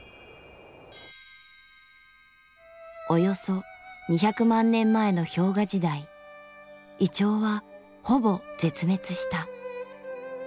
およそ２００万年前の氷河時代銀杏はほぼ絶滅した。